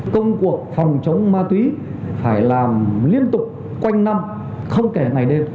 công cuộc phòng chống ma túy phải làm liên tục quanh năm không kể ngày đêm